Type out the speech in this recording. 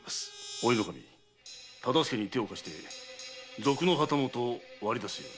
大炊頭忠相に手を貸して賊の旗本を割り出すように。